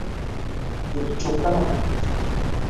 তোর কি চোখ কানা?